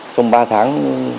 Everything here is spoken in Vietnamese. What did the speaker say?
trong ba tháng